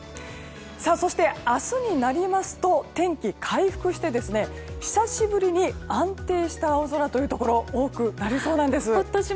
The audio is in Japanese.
そして、明日になりますと天気が回復して久しぶりに安定した青空というところ多くなりそうなんです。